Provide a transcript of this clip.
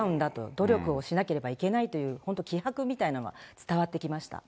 努力をしなければいけないという、本当、気迫みたいなものが伝わってきました。